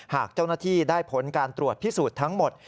หากเจ้าหน้าที่ได้ผลการตรวจพิสูจน์ทั้งหมด